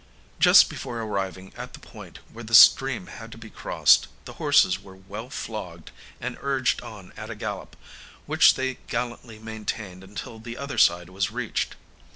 Just before arriving at the point where the stream had to be crossed, the horses were well flogged and urged on at a gallop, which they gallantly maintained until the other side was reached.